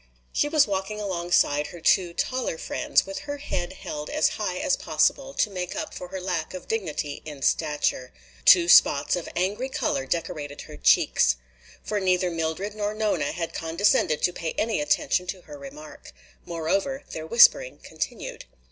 She was walking alongside her two taller friends with her head held as high as possible to make up for her lack of dignity in stature. Two spots of angry color decorated her cheeks. For neither Mildred nor Nona had condescended to pay any attention to her remark. Moreover, their whispering continued.